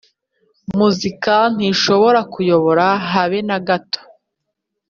Muzika ntishobora kunyobora habenagato .